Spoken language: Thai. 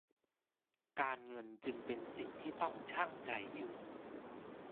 การเงินจึงเป็นสิ่งที่ต้องชั่งใจอยู่